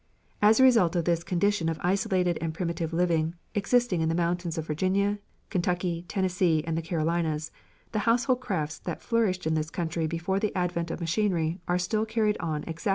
As a result of this condition of isolated and primitive living, existing in the mountains of Virginia, Kentucky, Tennessee, and the Carolinas, the household crafts that flourished in this country before the advent of machinery are still carried on exactly as in the old days.